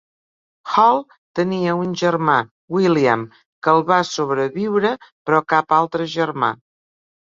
Hall tenia un germà, William, que el va sobreviure, però cap altre germà.